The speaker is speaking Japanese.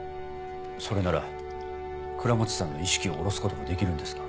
それなら倉持さんの意識を降ろすこともできるんですか？